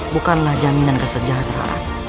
bukanlah jaminan kesejahteraan